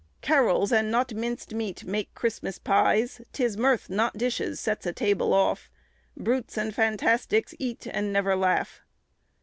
"Carols and not minc'd meat make Christmas pies, 'Tis mirth, not dishes, sets a table off; Brutes and phanaticks eat and never laugh."